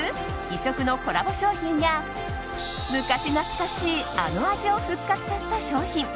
異色のコラボ商品や昔懐かしいあの味を復活させた商品。